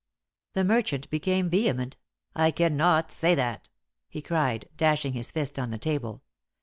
The merchant became vehement. "I cannot say that!" he cried, dashing his fist on the table.